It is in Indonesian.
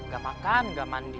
gak makan gak mandi